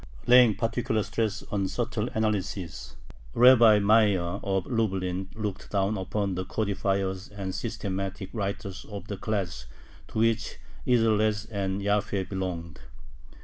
Laying particular stress on subtle analysis, Rabbi Meïr of Lublin looked down upon the codifiers and systematic writers of the class to which Isserles and Jaffe belonged.